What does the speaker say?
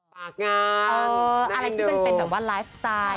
ฝากงานอะไรที่มันเป็นแบบว่าไลฟ์สไตล์